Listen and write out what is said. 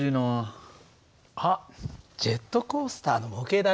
あっジェットコースターの模型だね。